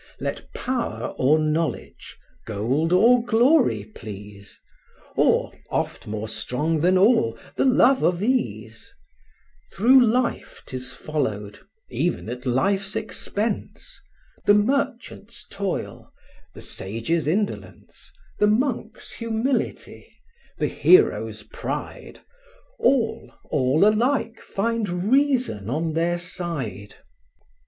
Let power or knowledge, gold or glory, please, Or (oft more strong than all) the love of ease; Through life 'tis followed, even at life's expense; The merchant's toil, the sage's indolence, The monk's humility, the hero's pride, All, all alike, find reason on their side.